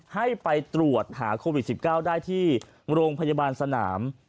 ให้ไปตรวจหาโควิด๑๙ได้ที่โรงพยาบาลสนาม